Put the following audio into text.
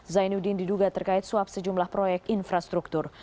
zainuddin diduga terkait suap sejumlah proyek infrastruktur